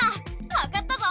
わかったぞ！